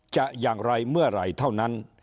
จะอย่างไรเมื่อไหร่เท่านั้น